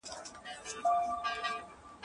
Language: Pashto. د خامو موادو توليد بايد زيات سي.